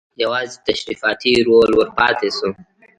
یوازې تشریفاتي رول ور پاتې شو.